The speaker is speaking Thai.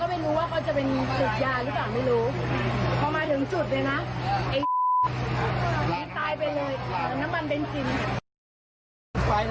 เอาน้ำมันเป็นจิน